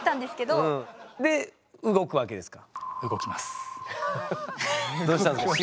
で動くわけですか？